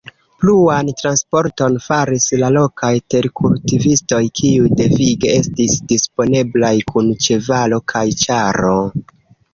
Pluan transporton faris la lokaj terkultivistoj kiuj devige estis disponeblaj kun ĉevalo kaj ĉaro.